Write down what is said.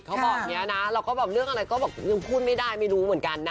เขาบอกอย่างนี้นะเราก็แบบเรื่องอะไรก็บอกยังพูดไม่ได้ไม่รู้เหมือนกันนะ